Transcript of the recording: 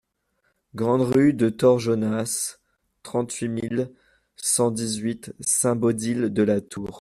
Grande Rue de Torjonas, trente-huit mille cent dix-huit Saint-Baudille-de-la-Tour